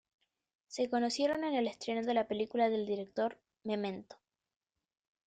Se conocieron en el estreno de la película del director, "Memento".